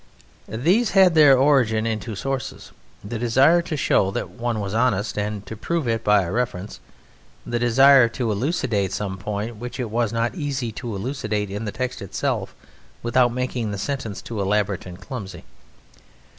These had their origin in two sources: the desire to show that one was honest and to prove it by a reference; the desire to elucidate some point which it was not easy to elucidate in the text itself without making the sentence too elaborate and clumsy.